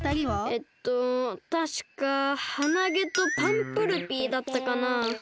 えっとたしかハナゲとパンプルピーだったかな。